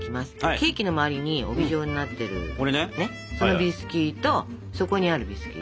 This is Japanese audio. ケーキの周りに帯状になってるそのビスキュイと底にあるビスキュイ。